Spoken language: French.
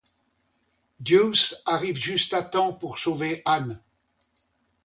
Deuce arrive juste à temps pour sauver Anne.